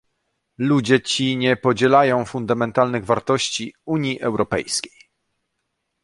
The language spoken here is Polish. Ludzie ci nie podzielają fundamentalnych wartości Unii Europejskiej